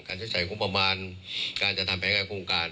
การใช้ใช้งุมประมาณการจะทำแผนการกรุงการ